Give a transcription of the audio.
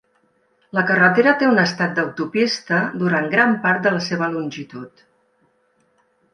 La carretera té un estat d'autopista durant gran part de la seva longitud.